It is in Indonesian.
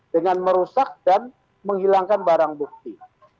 dengan merusak dan menghilangkan barang bukti